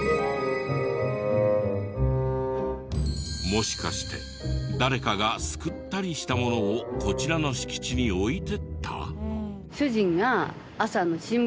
もしかして誰かがすくったりしたものをこちらの敷地に置いていった？